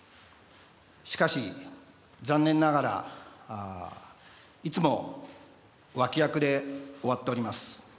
しかし、残念ながらいつも脇役で終わっております。